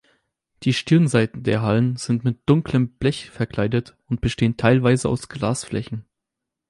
Die Stirnseiten der Hallen sind mit dunklem Blech verkleidet und bestehen teilweise aus Glasflächen.